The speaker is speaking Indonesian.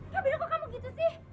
kabil kok kamu gitu sih